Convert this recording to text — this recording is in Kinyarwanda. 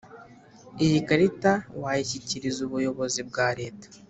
iyi karita wayishyikiriza ubuyobozi bwa leta